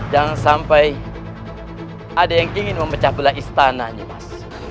jangan sampai ada yang ingin memecah pula istananya nimas